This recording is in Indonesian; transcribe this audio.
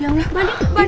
ya allah buangin